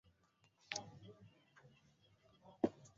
Maana wewe pekee wastahili